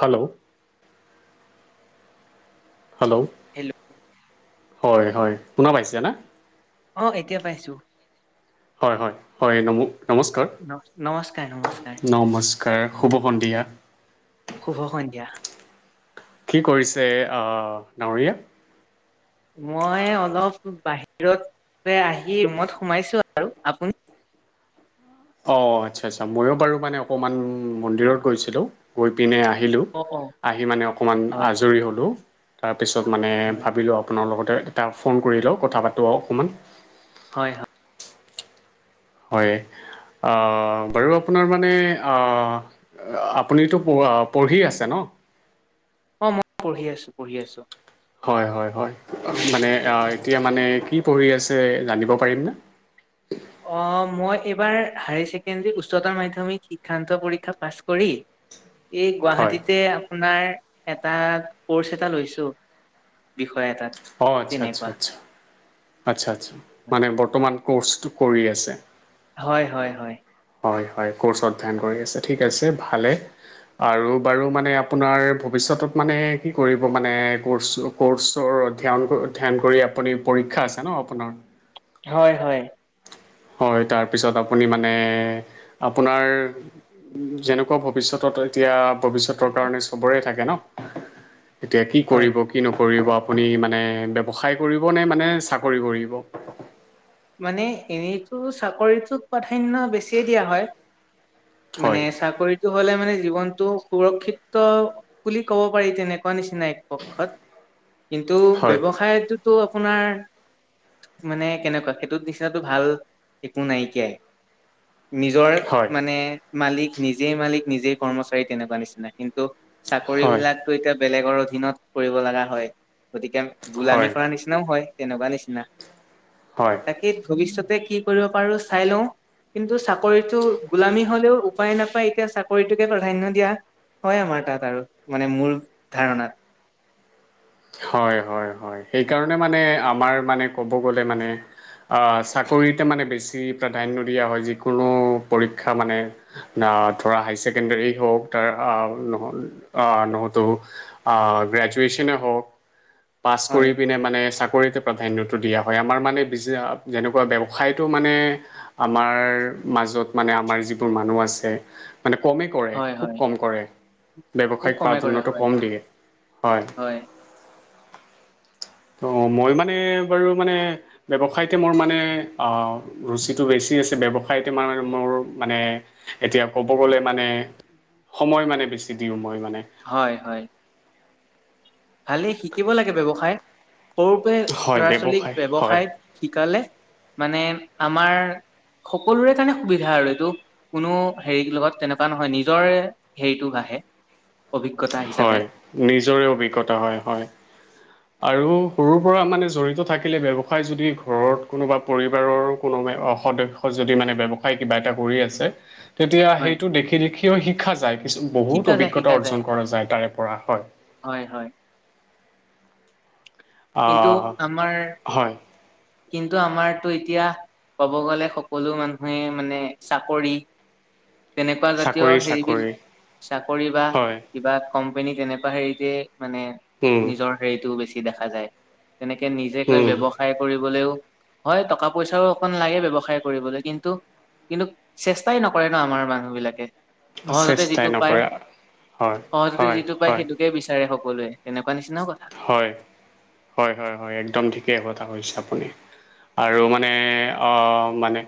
Hello hello hello হয়, হয়, শুনা পাইছে না। অ এতিয়া পাইছো হয় হয় হয় নমোক নমস্কাৰ ন নমস্কাৰ নমস্কাৰ নমস্কাৰ শুভ সন্ধিয়া শুভ সন্ধিয়া কি কৰিছে আহ ডাৱৰীয়া মই অলপ বাহিৰত আহি ৰুমত সোমাইছো আৰু আপুনি অ আচ্ছা আচ্ছা ময়ো বাৰু মানে অকণমান মন্দিৰত গৈছিলোঁ গৈ পিনে আহিলোঁ অ অ আহি মানে অকণমান হয় আজৰি হ'লোঁ তাৰপিছত মানে হয় ভাবিলোঁ আপোনাৰ লগতে এটা ফোন কৰি লওঁ কথা পাতো অকণমান হয় হয় হয় আহ বাৰু আপোনাৰ মানে আহ আপুনিতো পঢ়া পঢ়ি আছে ন অ মই পঢ়ি আছো পঢ়ি আছো হয় হয় হয় মানে এতিয়া মানে কি পঢ়ি আছে জানিব পাৰিম নে অ মই এইবাৰ হায়াৰ ছেকেণ্ডেৰী উচ্চতৰ মাধ্যমিক শিক্ষান্ত পৰীক্ষা পাছ কৰি এই হয় গুৱাহাটীতে আপোনাৰ এটা ক'ৰ্চ এটা লৈছোঁ বিষয় এটাত অ আচ্ছা আচ্ছা তেনেকুৱা আচ্ছা আচ্ছা আচ্ছা মানে বৰ্তমান ক'ৰ্চটো কৰি আছে। হয় হয় হয় হয় হয় ক'ৰ্চ অধ্যয়ন কৰি আছে ঠিক আছে ভালে আৰু বাৰু মানে আপোনাৰ ভৱিষ্যতত মানে কি কৰিব মানে ক'ৰ্ছ ক'ৰ্চৰ ধ্যান ধ্যান কৰি আপুনি পৰীক্ষা আছে ন আপোনাৰ হয় হয় হয় তাৰপিছত আপুনি মানে আপোনাৰ উম যেনেকুৱা ভৱিষ্যতত এতিয়া ভৱিষ্যতৰ কাৰণে চবৰে থাকে ন এতিয়া কি হয় কৰিব কি নকৰিব আপুনি মানে ব্যৱসায় কৰিব নে মানে চাকৰি কৰিব মানে এনেতো চাকৰিতোক প্ৰাধান্য বেছ বেছিয়ে দিয়া হয় মানে হয় চাকৰিত টো হ'লে মানে জীৱনটো সুৰক্ষিত বুলি ক'ব পাৰি তেনেকুৱা নিচিনাই পক্ষত কিন্তু হয় ব্যৱসায় টো আপোনাৰ মানে কেনেকুৱা সেইটোত নিচিনাটো ভাল একো নাইকিয়াই নিজৰ হয় মানে মালিক নিজেই মালিক নিজেই কৰ্মচাৰী তেনেকুৱা নিচিনা কিন্তু চাকৰি হয় বিলাক টো এতিয়া বেলেগৰ অধিনত কৰিব লগা হয় গতিকে গোলামি হয় কৰা নিচ নিচিনাও হয় তেনেকুৱা নিচিনা হয় তাকে ভৱিষ্যতে কি কৰিব পাৰো চাই লওঁ কিন্তু চাকৰিটো গোলামী হলেও উপায় নাপায় এতিয়া চাকৰিটোকে প্ৰাধান্য দিয়া হয় আমাৰ তাত আৰু মানে মূৰ ধাৰণাত হয় হয় হয় সেইকাৰণে মানে আমাৰ মানে ক'ব গ'লে মানে আহ চাকৰিতে মানে বেছি প্ৰাধান্য দিয়া হয় যিকোনো পৰীক্ষা মানে আহ ধৰা হাই ছেকেণ্ডৰী হওক তাৰ আহ আহ নহতো আ গ্ৰেজুৱেচনে হওঁক পাছ কৰি হয়। পিনে মানে চাকৰি প্ৰাধান্যটো দিয়া হয় আমাৰ মানে যেনেকুৱা ব্যৱসায়টো মানে আমাৰ মাজত মানে আমাৰ যিবোৰ মানুহ আছে মানে, কমেই কৰে, হয় খুউব হয় কম কৰে। খুব ব্যৱসায়িক কমে কৰে প্ৰাধান্যটো হয়। কম দিয়ে। হয়! অ'! মই মানে, বাৰু মানে, ব্যৱসায়তে মোৰ মানে, অ' ৰুচিটো বেছি আছে। ব্যৱসায়তে মানে, মোৰ মানে, এতিয়া ক'ব গ'লে, মানে, সময় মানে, বেছি দিওঁ, মই মানে। হয়, হয়। ভালেই, শিকিব লাগে ব্যৱসায়। সৰু পৰা, হয় ল'ৰা- ছোৱালীক হয় ব্যৱসায় শিকালে। মানে, আমাৰ সকলোৰে কাৰণে, সুবিধা আৰু এইটো। কোনো সেৰিৰ লগত তেনেকুৱা নহয়। নিজৰে সেৰিটো বাহে, অভিজ্ঞতা হয় হিচাপে। নিজৰে অভিজ্ঞতা। হয়, হয়! আৰু সৰুৰ পৰা মানে, জড়িত থাকিলে, ব্যৱসায় যদি, ঘৰত কোনোবা, পৰিবাৰৰ কোনোবা সদ যদি মানে, ব্যৱসায় কিবা এটা কৰি আছে। তেতিয়া, হয় সেইটো দেখি-দেখিও শিকা যায়। কিছু শিকা বহুত যায় শিকা অভিজ্ঞতা অৰ্জন কৰা যায় তাৰে পৰা। হয়! হয়, হয়। কিন্তু অ'! আমাৰ হয়। কিন্তু, আমাৰতো এতিয়া, ক'ব গ'লে, সকলো মানুহে মানে, চাকৰি। তেনেকুৱা জাতীয়, চাকৰি সেৰিবিধ চাকৰি চাকৰি বা হয় কিবা কোম্পেনী তেনেকুৱা সেৰিতে, মানে, উম নিজৰ সেৰিটোও বেছি দেখা যায়। তেনেকে নিজকে উম ব্যৱসায় কৰিবলেও, হয়! টকা-পইচাও অকণ লাগে, ব্যৱসায় কৰিবলৈ। কিন্তু, কিন্তু, চেষ্টাই নকৰে ন'! আমাৰ মানুহবিলাকে। সহজতে চেষ্টাই যিটো পায়, নকৰে হয় সহজতে হয় যিটো পায়, হয় সেইটো। বিচাৰে সকলোৱে, তেনেকুৱা নিচিনাও কথা। হয়! হয়, হয়, হয়! একদম ঠিকেই কথা কৈছে আপুনি। আৰু মানে, অ'! মানে,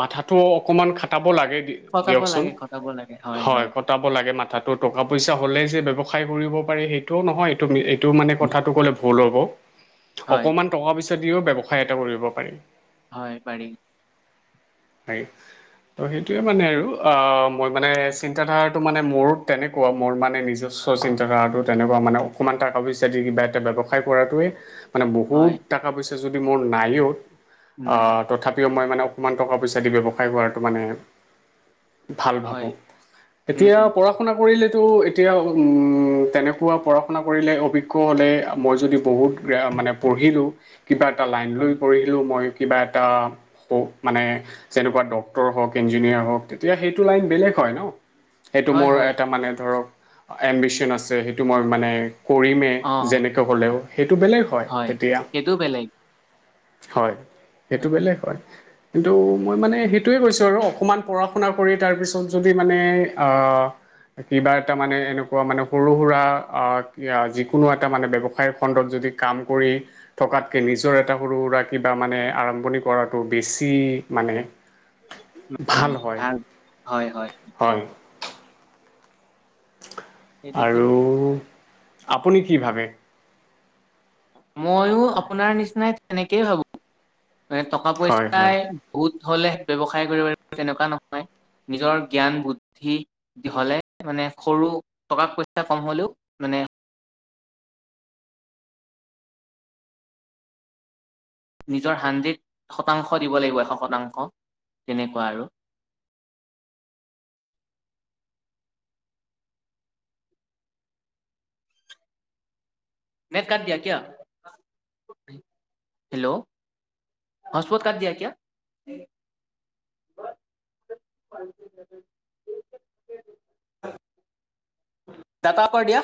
মাথাটো অকণমান খটাব লাগে। খটাব লাগে, খটাব লাগে। হয়, হয়! খটাব লাগে মাথাটো। টকা-পইচা হ'লে যে ব্যৱসায় কৰিব পাৰি, সেইটোও নহয়। এইটো এইটো মানে, কথাটো ক'লে ভুল হ'ব। হয় অকমান টকা-পইচা দিওঁ ব্যৱসায় এটা কৰিব পাৰি। হয়, পাৰি। হয়! ত' সেইটোৱে মানে আৰু। অ'! মই মানে, চিন্তাধাৰাটো মানে মোৰ, তেনেকুৱা। মোৰ মানে, নিজস্ব চিন্তাধাৰাটো তেনেকুৱা মানে। অকমান [unintelligible] দি, কিবা এটা ব্যৱসায় কৰাটোৱেই মানে, বহুত হয়, টকা-পইচা যদি মোৰ নাইও। নাই, আঁ তথাপিও মই মানে, অকণমান টকা-পইচা যদি ব্যৱসায় কৰাটো মানে, ভাল হয়, ভাবোঁ! উম, তেতিয়া পঢ়া উম, পঢ়া-শুনা কৰিলেতো, এতিয়া তেনেকুৱা পঢ়া-শুনা কৰিলে, অভিজ্ঞ হ'লে, মই যদি বহুত [unintelligible] মানে পঢ়িলোঁ। কিবা এটা লাইন লৈ হয়, পঢ়িলোঁ। মই কিবা এটা, মানে, যেনেকুৱা ডক্টৰ হওঁক, ইঞ্জিনিয়াৰ হওঁক। তেতিয়া সেইটো লাইন বেলেগ হয় ন'? সেইটো হয়, মোৰ হয়, এটা মানে ধৰক, এম্বিশন আছে। সেইটো মই মানে, কৰিমেই। অ', যেনে [unintelligible] হ'লেও, সেইটো বেলেগ হয়, তেতিয়া। সেইটো বেলেগ, হয়! সেইটো বেলেগ হয়। কিন্তু, মই মানে, সেইটোৱে কৈছোঁ আৰু। অকমান পঢ়া- শুনা কৰি, তাৰপিছত যদি মানে, আঁ কিবা এটা মানে, এনেকুৱা মানে, সৰু-সুৰা আঁ যিকোনো এটা মানে, ব্যৱসায় খণ্ডত যদি কাম কৰি থকাতকে, নিজৰ এটা সৰু-সুৰা কিবা মানে, আৰম্ভণি কৰাটো বেছি মানে, ভাল হয়। হয়, ঠিকেই, হয়! সেইটোৱে কি আৰু আপুনি কি ভাবে? ময়ো আপোনাৰ নিচিনাই তেনেকেই ভাবো, টকা, হয় হয় পইচাই। বহুত হলে ব্যৱসায় কৰিব লাগিব তেনেকুৱা নহয়, নিজৰ জ্ঞান বুদ্ধি। হলে মানে, সৰু টকা পইচা কম হ'লেও মানে। নিজৰ হাণ্ড্ৰেড শতাংশ দিব লাগিব এশ শতাংশ, তেনেকুৱা আৰু। নেট কাত দিয়া কিয়া, হেল্ল'? হচপত কাট দিয়া কিয়া? [inaudible] দাটা অফ কৰ দিয়া।